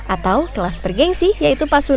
atau kelas bergensi yaitu pasuruan